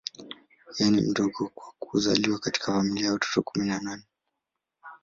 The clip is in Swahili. Yeye ni mdogo kwa kuzaliwa katika familia ya watoto kumi na nne.